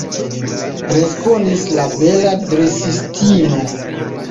respondis la bela dresistino.